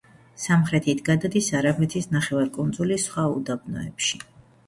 სამხრეთით გადადის არაბეთის ნახევარკუნძულის სხვა უდაბნოებში.